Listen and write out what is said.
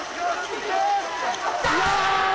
いけ！